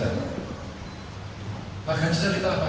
pak gacaro cerita apa